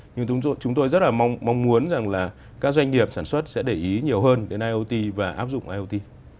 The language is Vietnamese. nhưng chúng tôi rất là mong muốn rằng là các doanh nghiệp sản xuất sẽ để ý nhiều hơn đến iot và áp dụng iot